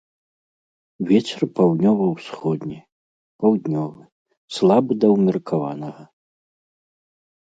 Вецер паўднёва-ўсходні, паўднёвы, слабы да ўмеркаванага.